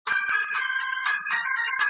د ښو څخه ښه زېږي د بدو څخه واښه